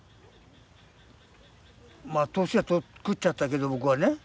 ま年はくっちゃったけど僕はね。